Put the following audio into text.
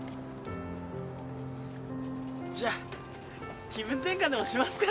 じゃあ気分転換でもしますか。